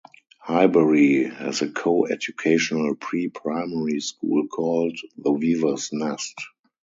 Highbury, has a co-educational pre-primary school called the Weavers' Nest.